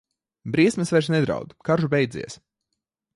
Briesmas vairs nedraud, karš beidzies.